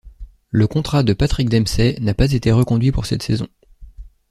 Le contrat de Patrick Dempsey n'a pas été reconduit pour cette saison.